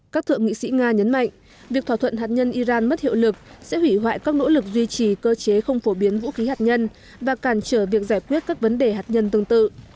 các thượng nghị sĩ nga nhấn mạnh việc thỏa thuận hạt nhân iran mất hiệu lực sẽ hủy hoại các nỗ lực duy trì cơ chế không phổ biến vũ khí hạt nhân và cản trở việc giải quyết các vấn đề hạt nhân tương tự